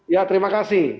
ya terima kasih